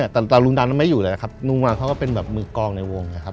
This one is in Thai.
แต่ลุงดันไม่อยู่เลยครับลุงมาเขาก็เป็นแบบมือกองในวงนะครับ